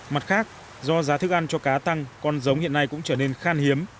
mặt khác do giá thức ăn cho cá tăng con giống hiện nay cũng trở nên khan hiếm